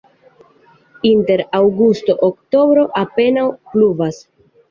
Inter aŭgusto-oktobro apenaŭ pluvas.